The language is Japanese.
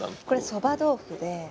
これそば豆腐で。